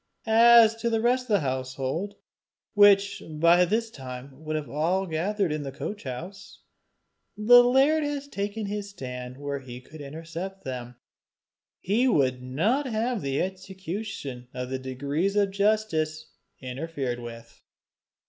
As to the rest of the household, which would by this time have been all gathered in the coach house, the laird had taken his stand where he could intercept them: he would not have the execution of the decrees of justice interfered with.